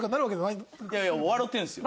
いやいや笑てるんですよ。